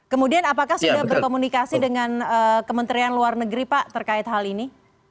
kemudian apakah sudah berkomunikasi dengan kementerian luar negeri pak terkait hal ini